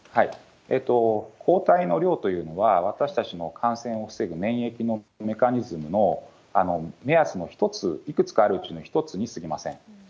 抗体の量というのは、私たちの感染を防ぐ免疫のメカニズムの目安の一つ、いくつかあるうちの一つにすぎません。